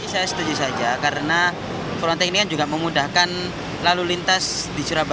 saya setuju saja karena frontak ini kan juga memudahkan lalu lintas di surabaya